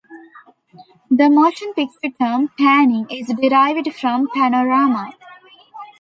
The motion-picture term "panning" is derived from "panorama".